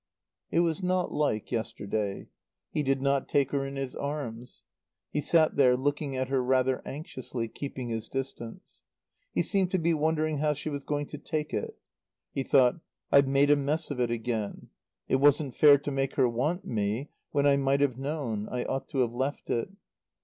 It was not like yesterday. He did not take her in his arms. He sat there, looking at her rather anxiously, keeping his distance. He seemed to be wondering how she was going to take it. He thought: "I've made a mess of it again. It wasn't fair to make her want me when I might have known. I ought to have left it."